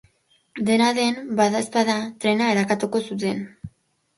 Dena den, badaezpada, trena arakatu zuten.